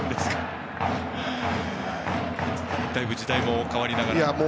だいぶ時代も変わりましたね。